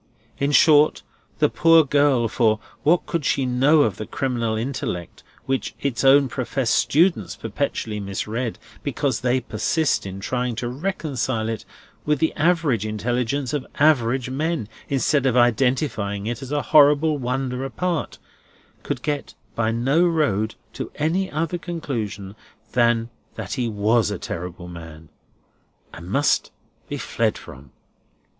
In short, the poor girl (for what could she know of the criminal intellect, which its own professed students perpetually misread, because they persist in trying to reconcile it with the average intellect of average men, instead of identifying it as a horrible wonder apart) could get by no road to any other conclusion than that he was a terrible man, and must be fled from.